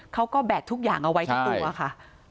เขาก็แบกทุกอย่างเอาไว้กับตัวค่ะ